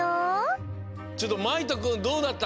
ちょっとまいとくんどうだった？